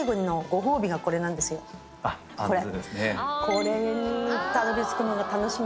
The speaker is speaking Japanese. これ。